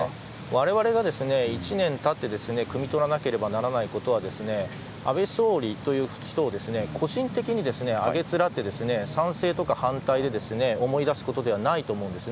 われわれが１年たってくみ取らなければならないことは安倍総理という人を個人的にあげつらって賛成とか反対で思い出すことではないと思うんです。